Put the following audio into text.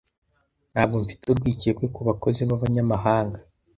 Ntabwo nfite urwikekwe ku bakozi b'abanyamahanga.